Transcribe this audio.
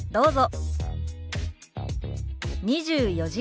どうぞ。